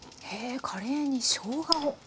へえカレーにしょうがを。